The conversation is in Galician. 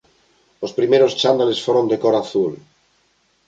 Os primeiros chándales foron de cor azul.